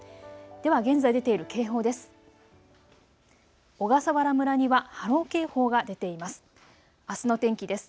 では現在出ている警報です。